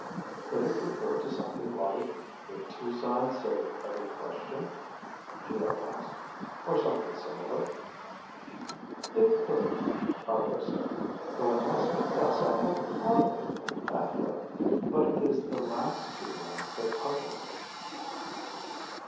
"Could it refer to something like 'the two sides of every question'?" Geo asked. "Or something similar?" "It could," Argo said, "though I must confess I hadn't thought of it in that way. But it is the last two lines that puzzle me."